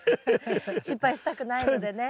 失敗したくないのでね。